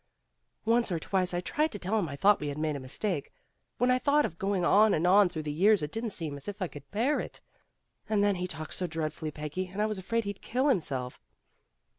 "Once or twice I tried to tell him I thought we had made a mistake. When I thought of going on and on through the years it didn't seem as if I could bear it. And then he talked so dreadfully, Peggy, and I was afraid he'd kill himself."